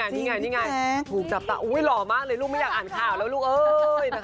นี่ไงนี่ไงถูกจับตาอุ๊ยหล่อมากเลยลูกไม่อยากอ่านข่าวแล้วลูกเอ้ย